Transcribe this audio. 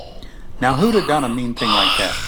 Now who'da done a mean thing like that?